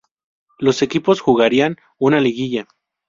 Los equipos jugarían una liguilla.